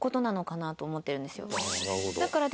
なるほど。